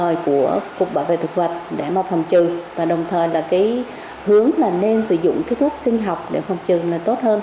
thời của cục bảo vệ thực vật để mà phòng trừ và đồng thời là cái hướng là nên sử dụng cái thuốc sinh học để phòng trừ là tốt hơn